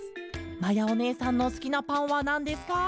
まやおねえさんのすきなパンはなんですか？」。